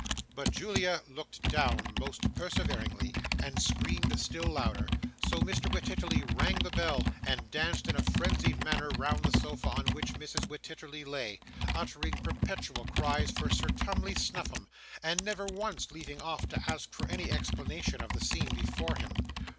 But Julia looked down most perseveringly, and screamed still louder; so Mr. Wititterly rang the bell, and danced in a frenzied manner round the sofa on which Mrs. Wititterly lay; uttering perpetual cries for Sir Tumley Snuffim, and never once leaving off to ask for any explanation of the scene before him.